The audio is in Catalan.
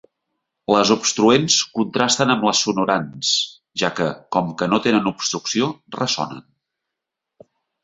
Les obstruents contrasten amb les sonorants, ja que, com que no tenen obstrucció, ressonen.